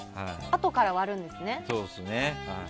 あとから割るんですね。